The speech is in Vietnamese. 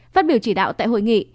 phát biểu chỉ đạo tại hội nghị